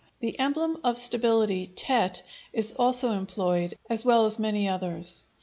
The emblem of stability [hieroglyph] (tet) is also employed, as well as many others.